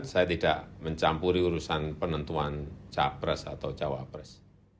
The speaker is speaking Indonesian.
saya tidak mencampuri urusan penentuan capres atau cawapres